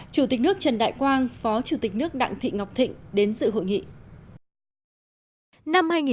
chủ tịch nước trần đại quang phó chủ tịch nước đặng thị ngọc thịnh đến sự hội nghị